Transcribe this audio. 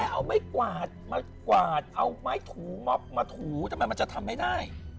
แค่เอาไม้กวาดเอาไม้ถูมับมาถูทำไมมันจะทำไม่ได้